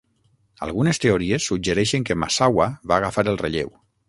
Algunes teories suggereixen que Massawa va agafar el relleu.